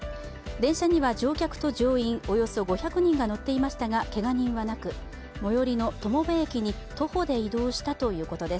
電車には乗客と乗員およそ５００人が乗っていましたが、けが人はなく最寄りの友部駅に徒歩で移動したということです。